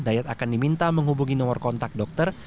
dayat akan diminta menghubungi nomor kontak dokter